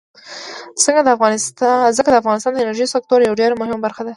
ځمکه د افغانستان د انرژۍ سکتور یوه ډېره مهمه برخه ده.